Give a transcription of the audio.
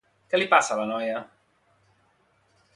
Què li passa a la noia?